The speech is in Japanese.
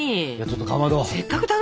ちょっとかまど。